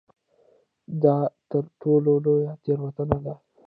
دا تر ټولو لویه تېروتنه ده.